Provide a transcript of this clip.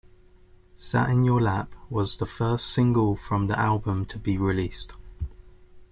"Sat in Your Lap" was the first single from the album to be released.